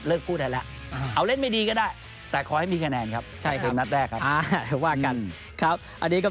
เลิกพูดธังละ